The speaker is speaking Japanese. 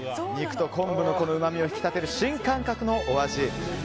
肉と昆布のうまみを引き立てる新感覚のお味。